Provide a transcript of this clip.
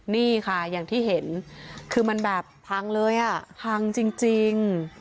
นี่ค่ะอย่างที่เห็นคือมันแบบพังเลยอ่ะพังจริง